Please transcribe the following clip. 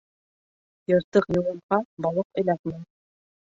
Йыртыҡ йылымға балыҡ эләкмәй.